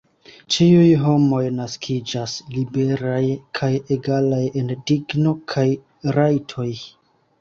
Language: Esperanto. Ĉiuj homoj naskiĝas liberaj kaj egalaj en digno kaj rajtoj.